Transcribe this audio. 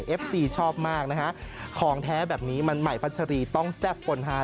เอฟซีชอบมากนะฮะของแท้แบบนี้มันใหม่พัชรีต้องแซ่บปนฮา